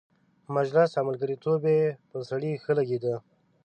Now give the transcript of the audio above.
مجلس او ملګرتوب یې پر سړي ښه لګېده.